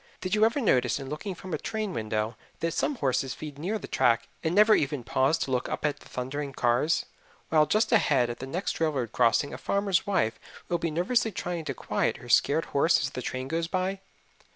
Did you ever notice in looking from a train window that some horses feed near the track and never even pause to look up at the thundering cars, while just ahead at the next railroad crossing a farmer's wife will be nervously trying to quiet her scared horse as the train goes by?